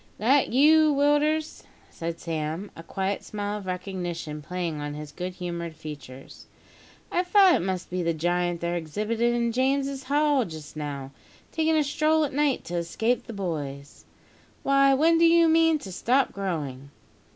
"That you, Willders?" said Sam, a quiet smile of recognition playing on his good humoured features. "I thought it must be the giant they're exhibitin' in Saint James's Hall just now, takin' a stroll at night to escape the boys. Why, when do you mean to stop growing?"